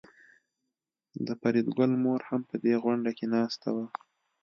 د فریدګل مور هم په دې غونډه کې ناسته وه